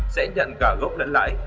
sẽ nhận cả góp lẫn lãi